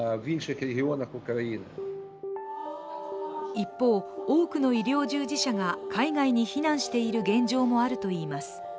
一方、多くの医療従事者が海外に避難している現状もあるといいます。